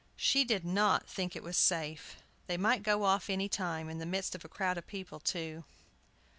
She did not think it was safe. They might go off any time, in the midst of a crowd of people, too!